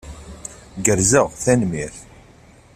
Gerzeɣ, tanemmirt.